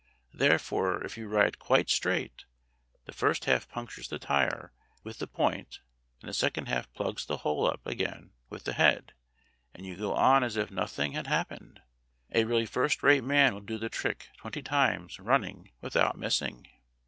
Therefore, if you ride quite straight, the first half punctures the tire with the point, and the second half plugs the hole up again with the head, and you go on as if nothing had happened. A really first rate man will do the trick twenty times running without missing."